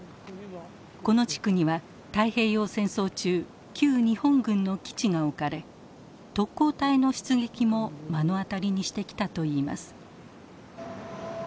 この地区には太平洋戦争中旧日本軍の基地が置かれ特攻隊の出撃も目の当たりにしてきたといいます。